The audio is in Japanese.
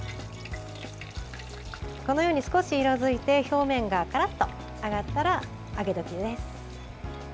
このように少し色づいて表面がカラッと揚がったらあげ時です。